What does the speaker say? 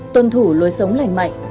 tuân thủ lối sống lành mạnh